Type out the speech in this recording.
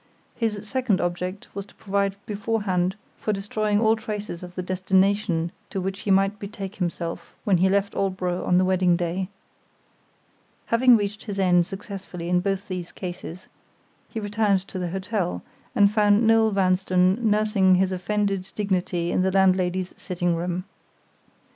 His second object was to provide beforehand for destroying all traces of the destination to which he might betake himself when he left Aldborough on the wedding day. Having reached his end successfully in both these cases, he returned to the hotel, and found Noel Vanstone nursing his offended dignity in the landlady's sitting room.